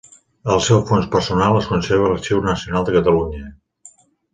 El seu fons personal es conserva a l'Arxiu Nacional de Catalunya.